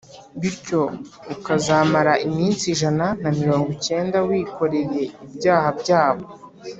bityo ukazamara iminsi ijana na mirongo cyenda wikoreye ibyaha byabo